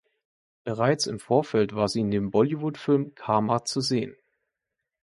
Bereits im Vorfeld war sie in dem Bollywood-Film "Karma" zu sehen.